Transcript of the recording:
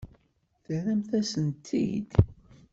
Terram-as-tent-id?